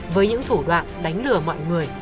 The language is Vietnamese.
với những thủ đoạn đánh lừa mọi người